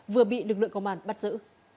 vừa bị lực lượng công an bắt giữ